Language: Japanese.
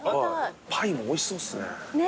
パイもおいしそうっすね。